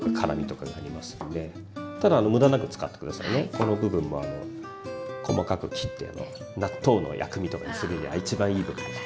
この部分は細かく切って納豆の薬味とかにするには一番いい部分です。